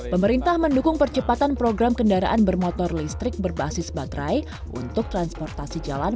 pemerintah mendukung percepatan program kendaraan bermotor listrik berbasis baterai untuk transportasi jalan